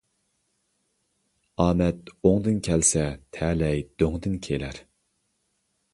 ئامەت ئوڭدىن كەلسە، تەلەي دۆڭدىن كېلەر.